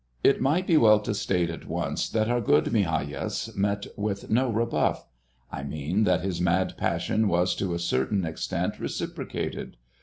It might be well to state at once that our good Migajas met with no rebuff. I mean that his mad passion was to a certain extent reciprocated.